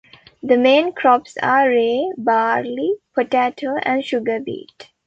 The main crops are rye, barley, potato and sugar beet.